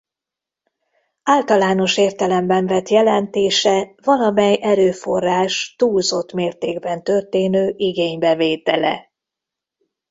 Általános értelemben vett jelentése valamely erőforrás túlzott mértékben történő igénybevétele.